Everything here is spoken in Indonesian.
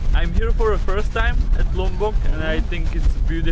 saya di sini pertama kali di lombok dan saya pikir ini tempat yang indah